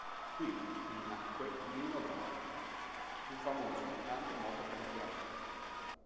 Qui vi nacque Nino Bravo, un famoso cantante morto prematuramente.